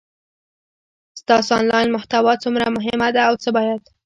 ستاسو انلاین محتوا څومره مهمه ده او څه باید